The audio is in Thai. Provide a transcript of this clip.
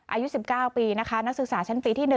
อายุ๑๙ปีนะคะนักศึกษาชั้นปีที่๑